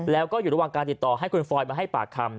แล้วก็อยู่ระหว่างการติดต่อให้คุณฟอยมาให้ปากคำ